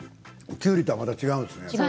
きゅうりとはまた違うんですね。